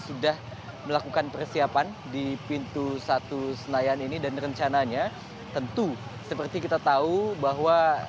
sudah melakukan persiapan di pintu satu senayan ini dan rencananya tentu seperti kita tahu bahwa